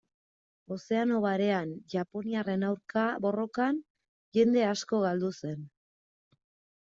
Ozeano Barean, japoniarren aurka borrokan, jende asko galdu zen.